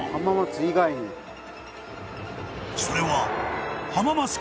［それは］